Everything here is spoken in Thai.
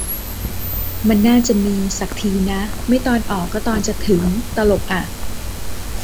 มันน่าจะมี สักทีนะ ไม่ตอนออกก็ตอนจะถึง ตลกอะ